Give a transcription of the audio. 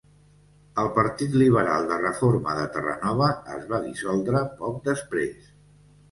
El Partit Liberal de Reforma de Terranova es va dissoldre poc després.